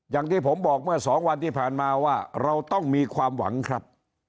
อย่างที่ผมบอกเมื่อ๒วันที่ผ่านมาว่าเราต้องมีความหวังครับ